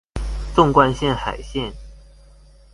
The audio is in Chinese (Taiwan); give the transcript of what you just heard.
縱貫線海線